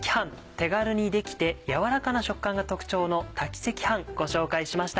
手軽にできて軟らかな食感が特徴の「炊き赤飯」ご紹介しました。